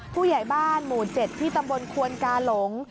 ผู้ใหญ่บ้านหมู่๗ที่ตำบลควนกาหลง